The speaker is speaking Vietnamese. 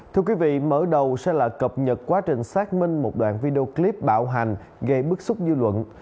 thưa quý vị mở đầu sẽ là cập nhật quá trình xác minh một đoạn video clip bạo hành gây bức xúc dư luận